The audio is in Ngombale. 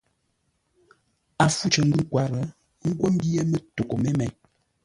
A fû cər ngwʉ̂ ńkwǎr ńgwó ḿbyé mətoghʼə́ mé mêi.